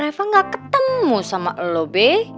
doa gue kan reva gak ketemu sama lo be